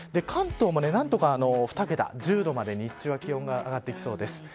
関東も何とか２桁、１０度まで日中、気温が上がってきそうです。